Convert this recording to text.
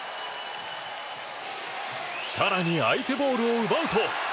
更に、相手ボールを奪うと。